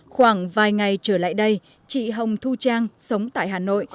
khoảng vài ngày trở lại đây chị hồng thu trang sống tại hà nội